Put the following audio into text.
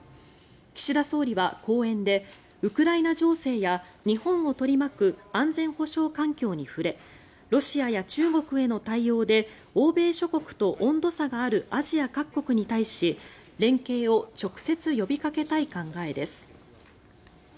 岸田総理は講演でウクライナ情勢や日本を取り巻く安全保障環境に触れロシアや中国への対応で欧米諸国と温度差があるアジア各国に対し連携を直接呼びかけたい考えです。